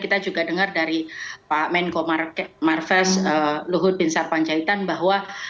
terima kasih